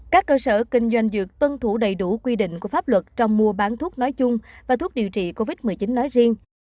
các cơ sở kinh doanh dược tuân thủ đầy đủ quy định của pháp luật trong mua bán thuốc nói chung và thuốc điều trị covid một mươi chín nói riêng